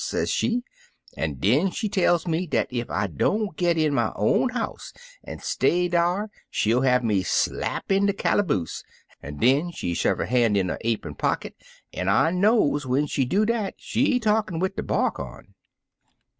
sez she; an' den she tell me dat ef I don't git in my own house an' stay dar she '11 have me slapt in de callyboose, an' den she shove 'er han's in 'er ap'on pocket, an' I knows when she do dat she talkin' wid de bark on.